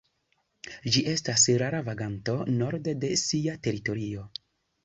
Ĝi estas rara vaganto norde de sia teritorio.